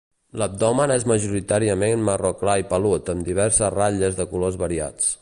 L'abdomen és majoritàriament marró clar i pelut, amb diverses ratlles de colors variats.